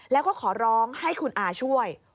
แล้วก็ขอร้องให้คุณอาช่วย